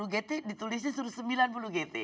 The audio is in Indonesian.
satu ratus lima puluh gt ditulisnya suruh sembilan puluh gt